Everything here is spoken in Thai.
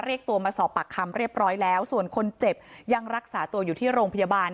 เรียกตัวมาสอบปากคำเรียบร้อยแล้วส่วนคนเจ็บยังรักษาตัวอยู่ที่โรงพยาบาล